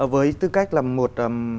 với tư cách là một